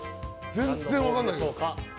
全然分からない。